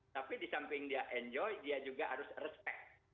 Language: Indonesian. tapi di samping dia enjoy dia juga harus respect